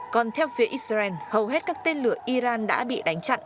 còn theo phía israel hầu hết các tên lửa iran đã bị đánh chặn